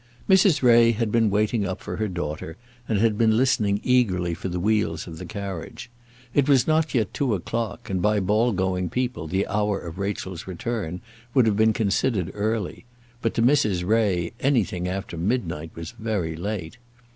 Mrs. Ray had been waiting up for her daughter, and had been listening eagerly for the wheels of the carriage. It was not yet two o'clock, and by ball going people the hour of Rachel's return would have been considered early; but to Mrs. Ray anything after midnight was very late.